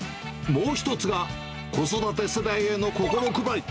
もう１つが子育て世代への心配り。